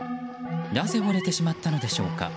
なぜ折れてしまったのでしょうか。